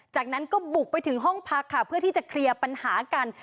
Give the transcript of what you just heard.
จากนั้นก็บุกไปถึงห้องพักค่ะเพื่อที่จะเคลียร์ปัญหากัน